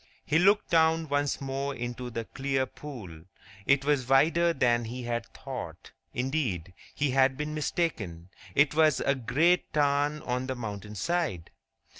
He looked down once more into the clear pool. It was wider than he had thought—indeed, he had been mistaken; it was a great tarn on the mountain side!